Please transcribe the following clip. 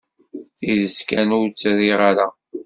Tidet kan, ur tt-riɣ ara.